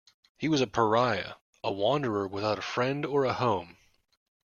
He was a pariah; a wanderer without a friend or a home.